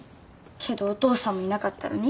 けどお父さんもいなかったのに？